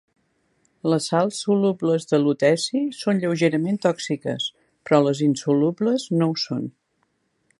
Les sals solubles de luteci són lleugerament tòxiques, però les insolubles no ho són.